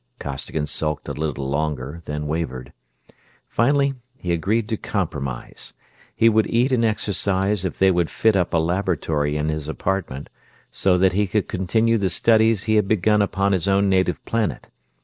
Costigan sulked a little longer, then wavered. Finally he agreed to compromise. He would eat and exercise if they would fit up a laboratory in his apartment, so that he could continue the studies he had begun upon his own native planet.